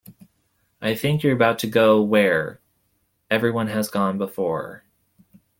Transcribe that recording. I think you're about to go where... everyone has gone before.